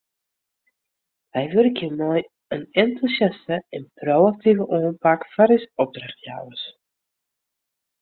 Wy wurkje mei in entûsjaste en pro-aktive oanpak foar ús opdrachtjouwers.